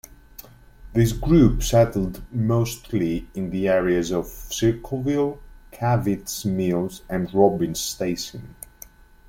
This group settled mostly in the areas of Circleville, Cavitt's Mills and Robbin's Station.